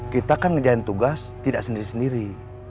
kita kan ngerjain tugas tidak sendiri sendiri